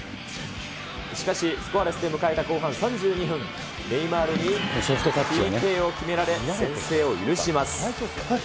しかし、スコアレスで迎えた後半３２分、ネイマールにＰＫを決められ、先制を許します。